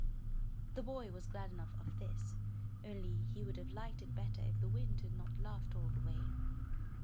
The boy was glad enough of this, only he would have liked it better if the Wind had not laughed all the way.